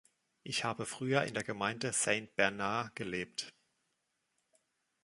Ich habe früher in der Gemeinde Saint Bernard gelebt.